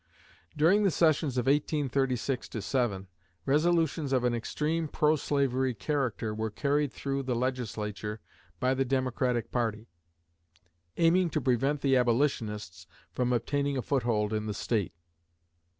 During the sessions of 1836 7 resolutions of an extreme pro slavery character were carried through the Legislature by the Democratic party, aiming to prevent the Abolitionists from obtaining a foothold in the State.